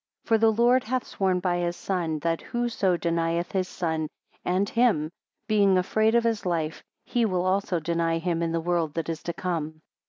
19 For the Lord hath sworn by his Son, that whoso, denieth his Son and HIM, being afraid of his life, he will also deny him in the world that is to come.